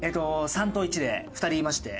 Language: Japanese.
３と１で２人いまして。